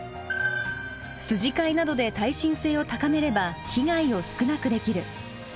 筋交いなどで耐震性を高めれば被害を少なくできる。